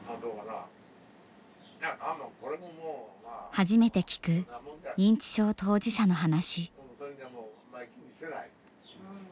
初めて聞く認知症当事者の話。